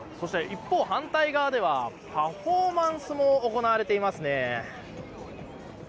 一方、反対側ではパフォーマンスも行われていますね。